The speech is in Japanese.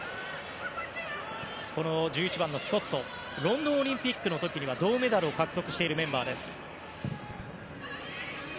１１番のスコットロンドンオリンピックの時には銅メダルを獲得しているメンバー。